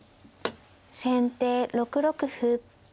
先手６六歩。